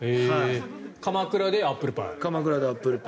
鎌倉でアップルパイ